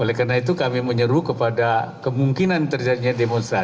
oleh karena itu kami menyeru kepada kemungkinan terjadinya demonstrasi